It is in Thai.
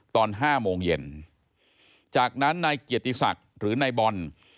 ตอน๕โมงเย็นจากนั้นนายเกียรติศักดิ์หรือนายบอล